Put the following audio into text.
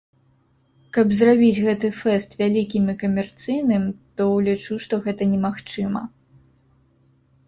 Каб зрабіць гэты фэст вялікім і камерцыйным, то лічу, што гэта немагчыма.